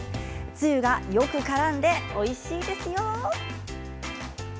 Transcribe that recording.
つゆがよくからんでおいしいですよ。